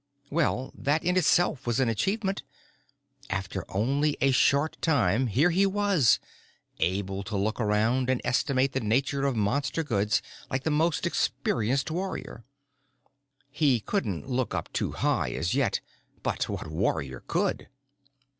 Well, that in itself was an achievement. After only a short time, here he was, able to look around and estimate the nature of Monster goods like the most experienced warrior. He couldn't look up too high as yet, but what warrior could?